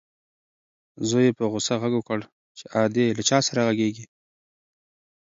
زوی یې په غوسه غږ وکړ چې ادې له چا سره غږېږې؟